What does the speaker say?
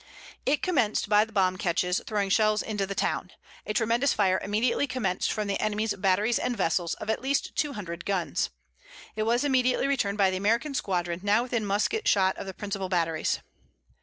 It commenced by the bomb ketches throwing shells into the town. A tremendous fire immediately commenced from the enemy's batteries and vessels, of at least two hundred guns. It was immediately returned by the American squadron, now within musket shot of the principal batteries.